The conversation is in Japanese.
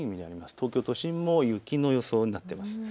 東京都心も雪の予想になっています。